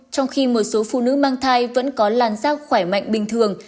trong khi một số phụ nữ mang thai vẫn có làn da khỏe mạnh bình thường